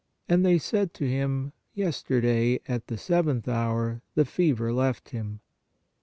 And they said to him : Yesterday at the seventh hour the fever left him.